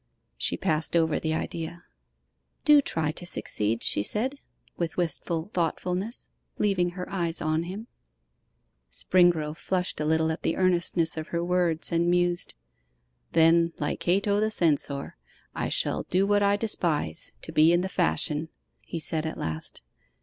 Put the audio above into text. She passed over the idea. 'Do try to succeed,' she said, with wistful thoughtfulness, leaving her eyes on him. Springrove flushed a little at the earnestness of her words, and mused. 'Then, like Cato the Censor, I shall do what I despise, to be in the fashion,' he said at last...